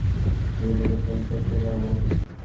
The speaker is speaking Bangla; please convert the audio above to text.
আমি তাকে ফোন করতে বলবো।